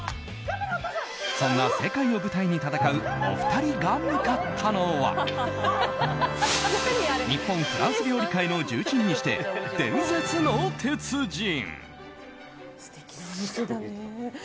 そんな世界を舞台に戦うお二人が向かったのは日本フランス料理界の重鎮にして伝説の鉄人。